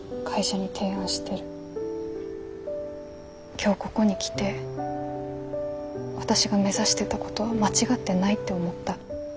今日ここに来て私が目指してたことは間違ってないって思った。